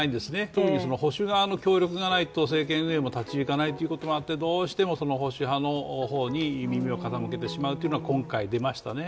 特に保守派の協力がないと政権運営も立ち行かないということもあってどうしても、保守派の方に耳を傾けてしまうというのが今回出ましたね。